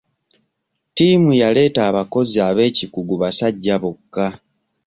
Ttiimu yaleeta abakozi abeekikugu basajja bokka.